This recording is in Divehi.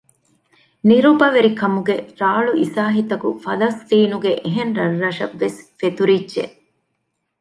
ނިރުބަވެރިކަމުގެ ރާޅު އިސާހިތަކު ފަލަސްޠީނުގެ އެހެން ރަށްރަށަށް ވެސް ފެތުރިއްޖެ